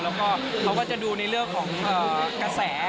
แล้วก็เขาก็จะดูในเรื่องของกระแส